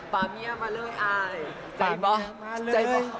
ป่าเมียมาเล่าอายใจบ้อใจบ้อ